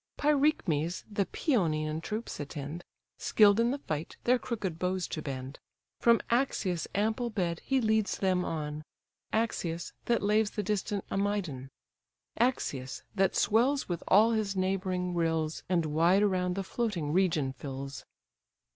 Pyræchmes the Pæonian troops attend, Skill'd in the fight their crooked bows to bend; From Axius' ample bed he leads them on, Axius, that laves the distant Amydon, Axius, that swells with all his neighbouring rills, And wide around the floating region fills.